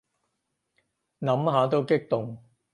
諗下都激動